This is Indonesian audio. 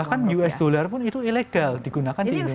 bahkan us dollar pun itu ilegal digunakan di indonesia